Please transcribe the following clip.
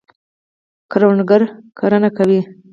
کروندګر کرنه کوي.